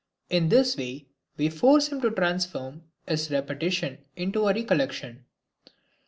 In this way we force him to transform his repetition into a recollection.